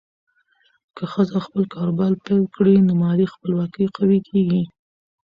که ښځه خپل کاروبار پیل کړي، نو مالي خپلواکي قوي کېږي.